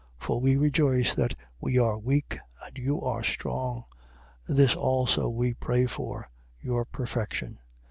13:9. For we rejoice that we are weak and you are strong. This also we pray for, your perfection.